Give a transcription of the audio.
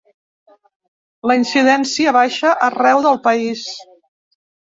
La incidència baixa arreu del país.